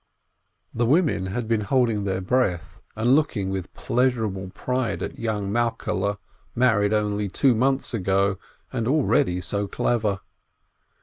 The women had been holding their breath and looking with pleasurable pride at young Malkehle, married only two months ago and already so clever!